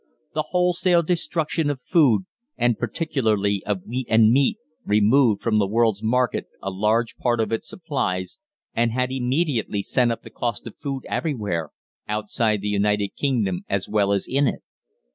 The wholesale destruction of food, and particularly of wheat and meat, removed from the world's market a large part of its supplies, and had immediately sent up the cost of food everywhere, outside the United Kingdom as well as in it.